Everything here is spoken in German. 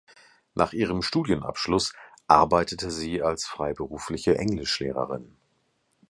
Nach ihrem Studienabschluss arbeitete sie als freiberufliche Englischlehrerin.